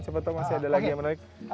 siapa tahu masih ada lagi yang menarik